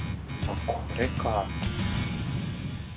これか。